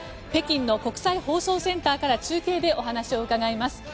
北京の国際放送センターから中継でお話を伺います。